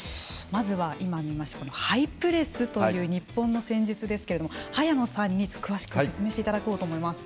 まずは、今見ましたハイプレスという日本の戦術ですけれども早野さんに詳しく説明していただこうと思います。